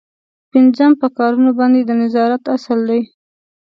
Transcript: پنځم په کارونو باندې د نظارت اصل دی.